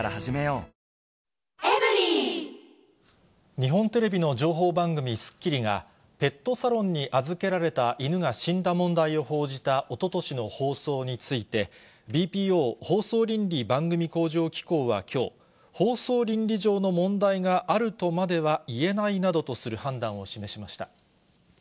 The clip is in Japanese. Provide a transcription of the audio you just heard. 日本テレビの情報番組、スッキリが、ペットサロンに預けられた犬が死んだ問題を報じたおととしの放送について、ＢＰＯ・放送倫理・番組向上機構はきょう、放送倫理上の問題があるとまでは言えないなどとする判断を示しました。